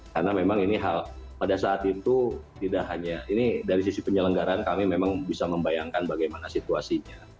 karena memang ini hal pada saat itu tidak hanya ini dari sisi penyelenggaraan kami memang bisa membayangkan bagaimana situasinya